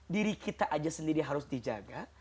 diri kita aja sendiri harus dijaga